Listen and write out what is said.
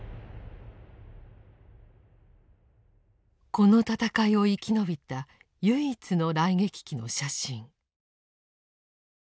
この戦いを生き延びた唯一の雷撃機の写真。